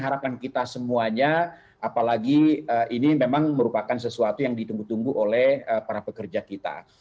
harapan kita semuanya apalagi ini memang merupakan sesuatu yang ditunggu tunggu oleh para pekerja kita